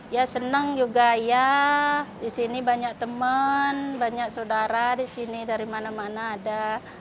ya senang juga ya disini banyak teman banyak saudara disini dari mana mana ada